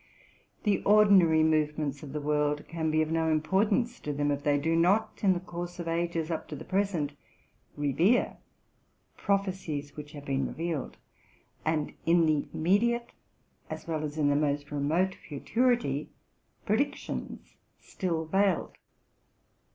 The ordinary movements of the world 'an be of no importance to them, if they do not, in the RELATING TO MY LIFE. 229 course of ages up to the present, revere prophecies which have been revealed, and in the immediate, as well as in the most remote futurity, predictions still veiled.